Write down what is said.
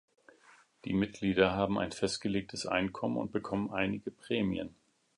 Die Mitglieder haben ein festgelegtes Einkommen und bekommen einige Prämien.